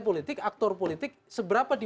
politik aktor politik seberapa di